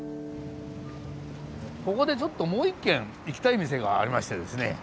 ここでちょっともう一軒行きたい店がありましてですね。